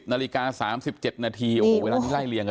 โอ้โหโอ้โหโอ้โห